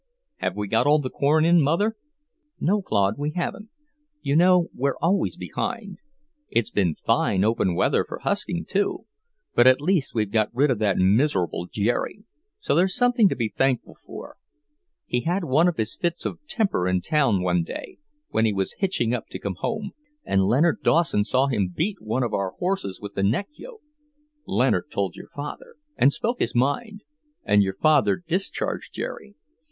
"Have we got all the corn in, Mother?" "No, Claude, we haven't. You know we're always behindhand. It's been fine, open weather for husking, too. But at least we've got rid of that miserable Jerry; so there's something to be thankful for. He had one of his fits of temper in town one day, when he was hitching up to come home, and Leonard Dawson saw him beat one of our horses with the neck yoke. Leonard told your father, and spoke his mind, and your father discharged Jerry.